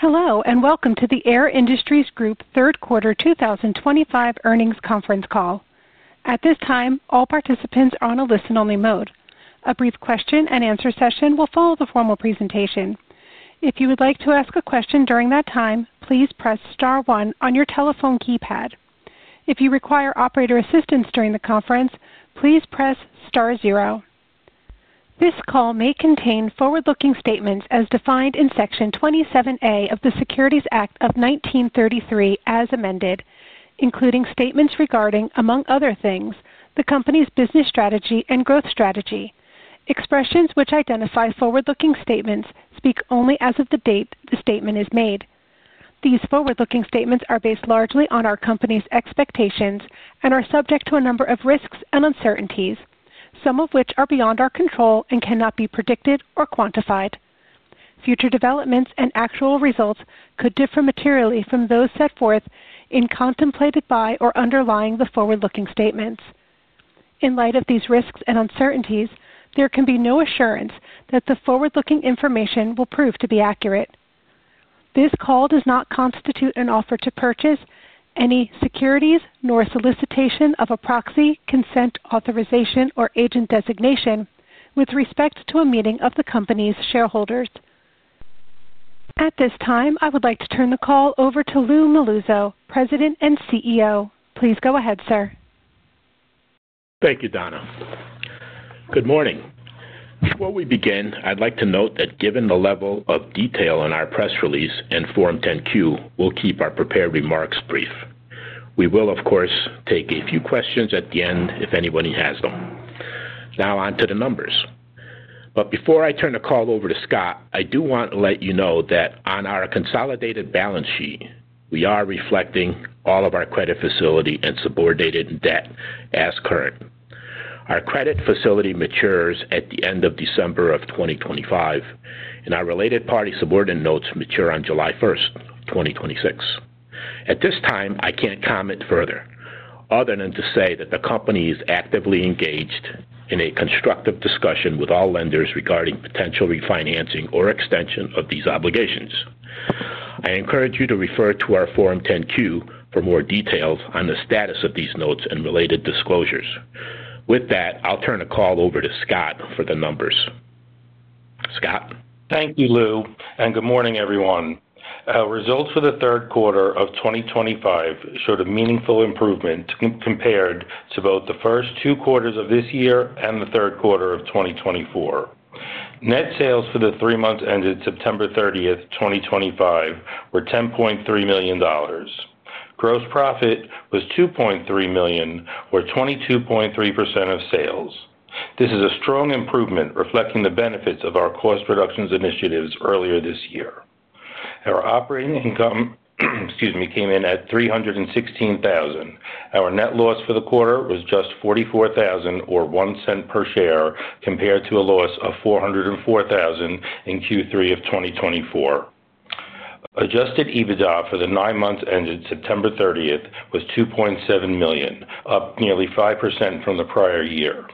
Hello, and welcome to the Air Industries Group third uarter 2025 earnings conference call. At this time, all participants are on a listen-only mode. A brief question-and-answer session will follow the formal presentation. If you would like to ask a question during that time, please press star one on your telephone keypad. If you require operator assistance during the conference, please press star zero. This call may contain forward-looking statements as defined in Section 27A of the Securities Act of 1933, as amended, including statements regarding, among other things, the company's business strategy and growth strategy. Expressions which identify forward-looking statements speak only as of the date the statement is made. These forward-looking statements are based largely on our company's expectations and are subject to a number of risks and uncertainties, some of which are beyond our control and cannot be predicted or quantified. Future developments and actual results could differ materially from those set forth in, contemplated by, or underlying the forward-looking statements. In light of these risks and uncertainties, there can be no assurance that the forward-looking information will prove to be accurate. This call does not constitute an offer to purchase any securities nor a solicitation of a proxy, consent, authorization, or agent designation with respect to a meeting of the company's shareholders. At this time, I would like to turn the call over to Lou Melluzzo, President and CEO. Please go ahead, sir. Thank you, Donna. Good morning. Before we begin, I'd like to note that given the level of detail in our press release and Form 10Q, we'll keep our prepared remarks brief. We will, of course, take a few questions at the end if anybody has them. Now, on to the numbers. Before I turn the call over to Scott, I do want to let you know that on our consolidated balance sheet, we are reflecting all of our credit facility and subordinated debt as current. Our credit facility matures at the end of December 2025, and our related party subordinate notes mature on July 1st, 2026. At this time, I can't comment further other than to say that the company is actively engaged in a constructive discussion with all lenders regarding potential refinancing or extension of these obligations. I encourage you to refer to our Form 10-Q for more details on the status of these notes and related disclosures. With that, I'll turn the call over to Scott for the numbers. Scott. Thank you, Lou, and good morning, everyone. Results for the third quarter of 2025 showed a meaningful improvement compared to both the first two quarters of this year and the third quarter of 2024. Net sales for the three months ended September 30th, 2025, were $10.3 million. Gross profit was $2.3 million, or 22.3% of sales. This is a strong improvement reflecting the benefits of our cost reductions initiatives earlier this year. Our operating income, excuse me, came in at $316,000. Our net loss for the quarter was just $44,000, or $0.01 per share, compared to a loss of $404,000 in Q3 of 2024. Adjusted EBITDA for the nine months ended September 30th was $2.7 million, up nearly 5% from the prior year.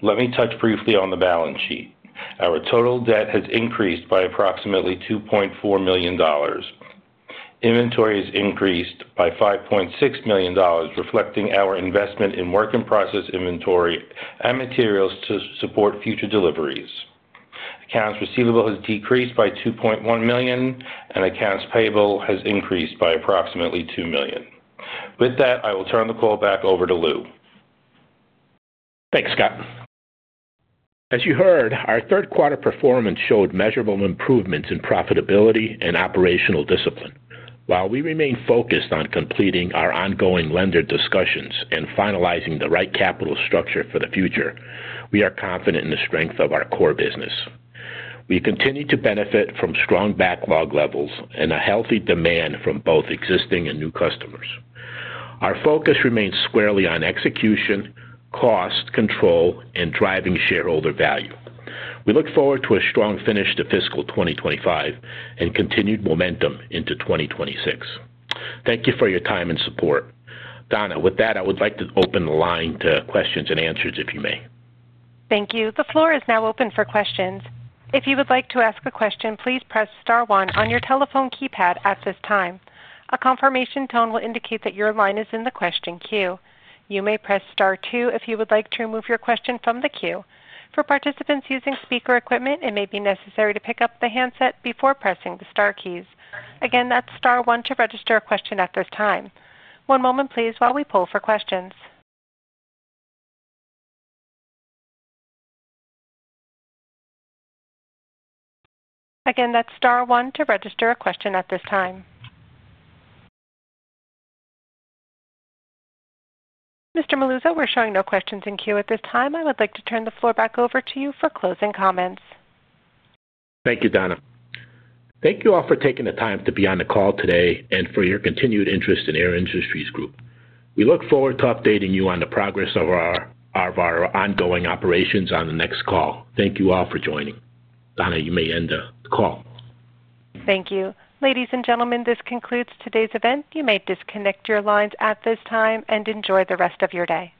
Let me touch briefly on the balance sheet. Our total debt has increased by approximately $2.4 million. Inventory has increased by $5.6 million, reflecting our investment in work in process inventory and materials to support future deliveries. Accounts receivable has decreased by $2.1 million, and accounts payable has increased by approximately $2 million. With that, I will turn the call back over to Lou. Thanks, Scott. As you heard, our third quarter performance showed measurable improvements in profitability and operational discipline. While we remain focused on completing our ongoing lender discussions and finalizing the right capital structure for the future, we are confident in the strength of our core business. We continue to benefit from strong backlog levels and a healthy demand from both existing and new customers. Our focus remains squarely on execution, cost control, and driving shareholder value. We look forward to a strong finish to fiscal 2025 and continued momentum into 2026. Thank you for your time and support. Donna, with that, I would like to open the line to questions and answers, if you may. Thank you. The floor is now open for questions. If you would like to ask a question, please press star one on your telephone keypad at this time. A confirmation tone will indicate that your line is in the question queue. You may press star two if you would like to remove your question from the queue. For participants using speaker equipment, it may be necessary to pick up the handset before pressing the star keys. Again, that's star one to register a question at this time. One moment, please, while we poll for questions. Again, that's star one to register a question at this time. Mr. Melluzzo, we're showing no questions in queue at this time. I would like to turn the floor back over to you for closing comments. Thank you, Donna. Thank you all for taking the time to be on the call today and for your continued interest in Air Industries Group. We look forward to updating you on the progress of our ongoing operations on the next call. Thank you all for joining. Donna, you may end the call. Thank you. Ladies and gentlemen, this concludes today's event. You may disconnect your lines at this time and enjoy the rest of your day.